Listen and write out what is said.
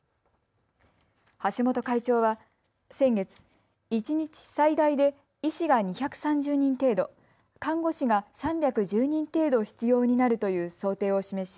橋本会長は先月、一日最大で医師が２３０人程度、看護師が３１０人程度必要になるという想定を示し